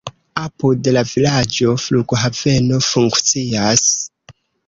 Apud la vilaĝo flughaveno funkcias.